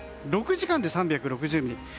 ６時間で３６０ミリ。